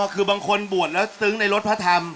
คือบางคนบวชแล้วซึ้งในรถพระธรรม